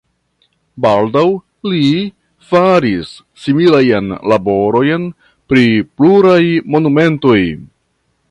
Baldaŭ li faris similajn laborojn pri pluraj monumentoj.